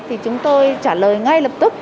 thì chúng tôi trả lời ngay lập tức